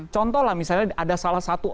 contoh lah misalnya ada salah satu